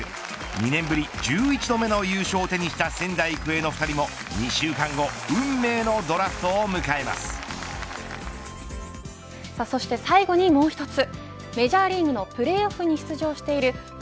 ２年ぶり１１度目の優勝を手にした仙台育英の２人も２週間後そして最後にもう一つ。